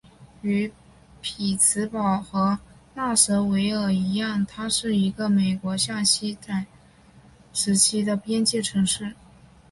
与匹兹堡和纳什维尔一样它是一个美国向西扩展时期的边界城市。